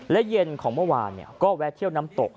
และเย็นของเมื่อวานก็แวะเที่ยวน้ำตก